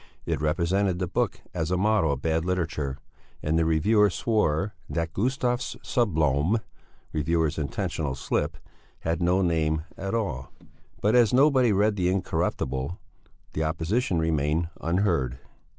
It represented the book as a model of bad literature, and the reviewer swore that Gustav Sjöblom (reviewer's intentional slip), had no name at all. But as nobody read the Incorruptible, the opposition remained unheard.